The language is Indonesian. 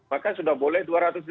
maka sudah boleh dua ratus lima puluh